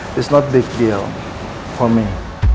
ini bukan masalah besar untuk saya